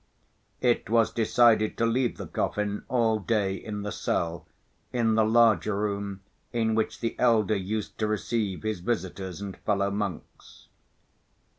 It was decided to leave the coffin all day in the cell, in the larger room in which the elder used to receive his visitors and fellow monks.